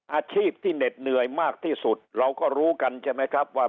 อาชีพที่เหน็ดเหนื่อยมากที่สุดเราก็รู้กันใช่ไหมครับว่า